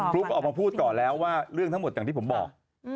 ฟลุ๊กออกมาพูดก่อนแล้วว่าเรื่องทั้งหมดที่ผมบอก